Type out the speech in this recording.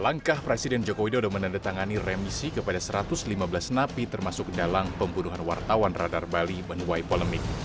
langkah presiden joko widodo menandatangani remisi kepada satu ratus lima belas napi termasuk dalang pembunuhan wartawan radar bali menuai polemik